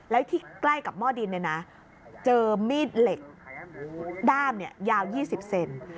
แล้วที่ใกล้กับหม้อดินเนี่ยนะเจอมีดเหล็กด้ามยาว๒๐เซน